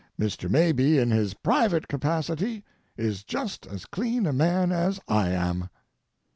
Mr. Mabie in his private capacity is just as clean a man as I am.